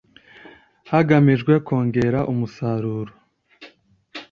Hagamijwe kongera umusaruro